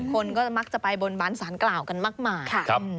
คนก็มักจะไปบนบานสารกล่าวกันมากมาย